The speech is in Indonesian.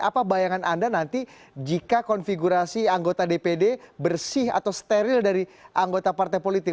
apa bayangan anda nanti jika konfigurasi anggota dpd bersih atau steril dari anggota partai politik